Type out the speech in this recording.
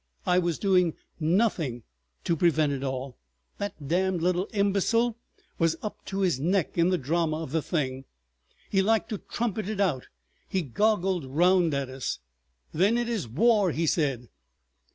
I was doing nothing to prevent it all! The damned little imbecile was up to his neck in the drama of the thing, he liked to trumpet it out, he goggled round at us. 'Then it is war!' he said.